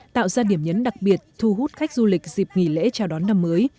tạo ra điểm nhấn đặc biệt thu hút khách du lịch dịp nghỉ lễ chào đón năm mới